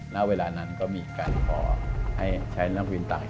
ไหนทดสอบการออกที่สุด